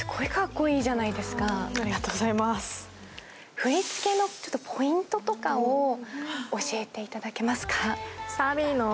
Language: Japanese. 振り付けのポイントとかを教えていただけますか。